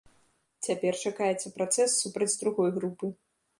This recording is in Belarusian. Цяпер чакаецца працэс супраць другой групы.